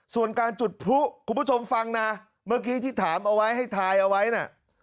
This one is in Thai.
ส่วนการจุดพลุคุณผู้ชมฟังนะเมื่อกี้ที่ถามเอาไว้ให้ทายเอาไว้น่ะ